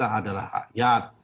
yang menderita adalah rakyat